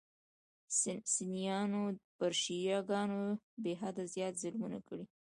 سنیانو پر شیعه ګانو بېحده زیات ظلمونه کړي.